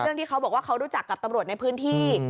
ที่เขาบอกว่าเขารู้จักกับตำรวจในพื้นที่